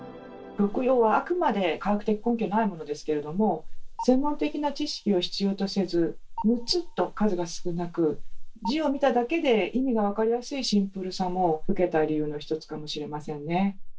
六曜はあくまで科学的根拠はないものですけれども専門的な知識を必要とせず６つと数が少なく字を見ただけで意味が分かりやすいシンプルさも受けた理由の一つかもしれませんね。